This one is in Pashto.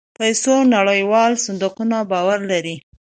پيسو نړيوال صندوق باور لري.